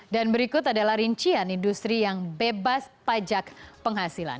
dan berikut adalah rincian industri yang bebas pajak penghasilan